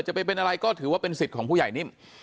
จะเป็นอะไรก็ถือว่าเป็นสิทธิ์ของผู้ใหญ่นิ่ม